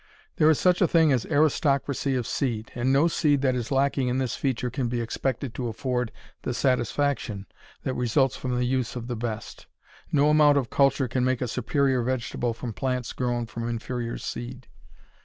There is such a thing as aristocracy of seed, and no seed that is lacking in this feature can be expected to afford the satisfaction that results from the use of the best. No amount of culture can make a superior vegetable from plants grown from inferior seed.